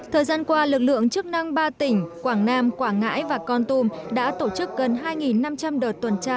thời gian qua lực lượng chức năng ba tỉnh quảng nam quảng ngãi và con tum đã tổ chức gần hai năm trăm linh đợt tuần tra